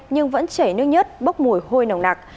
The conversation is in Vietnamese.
nhưng vẫn chảy nước nhất bốc mùi hôi nồng nặc